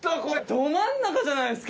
ど真ん中じゃないですか！